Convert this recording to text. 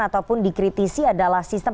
ataupun dikritisi adalah sistem